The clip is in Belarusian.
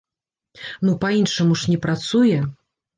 Ну па-іншаму ж не працуе.